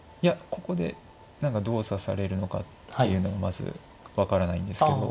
ここで何かどう指されるのかっていうのをまず分からないんですけど。